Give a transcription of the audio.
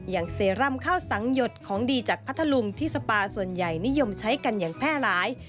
เซรั่มข้าวสังหยดของดีจากพัทธลุงที่สปาส่วนใหญ่นิยมใช้กันอย่างแพร่หลาย